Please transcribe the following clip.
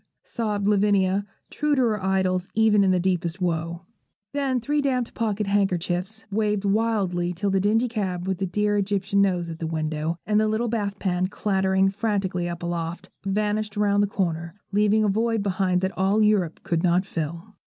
sobbed Lavinia, true to her idols even in the deepest woe. Then three damp pocket handkerchiefs waved wildly till the dingy cab with the dear Egyptian nose at the window, and the little bath pan clattering frantically up aloft, vanished round the corner, leaving a void behind that all Europe could not fill.